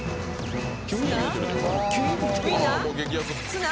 ツナ？